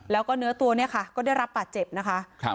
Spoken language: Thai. แล้วก็เนื้อตัวเนี่ยค่ะก็ได้รับบาดเจ็บนะคะ